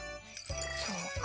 そうか。